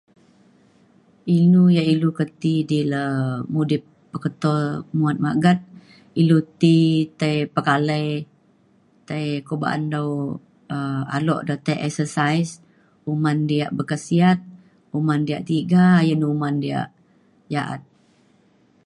inu yak ilu ke ti di le mudip peketo uma magat ilu ti tai pekalai tai ko ba'an dau um alok de tei exercise uman diak berkhasiat uman diak tiga inu uman diak ja'at